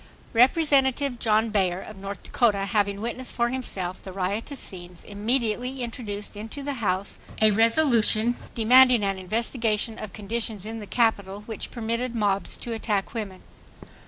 Representative John Baer of North Dakota, having witnessed for himself the riotous scenes, immediately introduced into the House a resolution demanding an investigation of conditions in the Capital which permitted mobs to attack women.